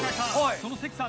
その関さん